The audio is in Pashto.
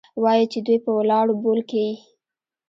وايي چې دوى په ولاړو بول كيې؟